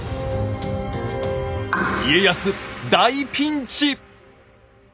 家康大ピンチ！